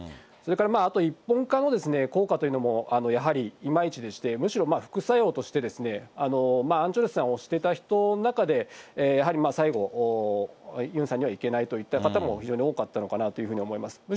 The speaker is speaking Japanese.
それから一本化の効果というのも、やはり、いまいちでして、むしろ副作用としてアン・チョルスさんをおしてた人の中で、やはり最後、ユンさんにはいけないといった方も非常に多かったのかなというふうに思います。